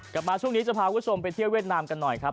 กลับมาช่วงนี้จะพาคุณผู้ชมไปเที่ยวเวียดนามกันหน่อยครับ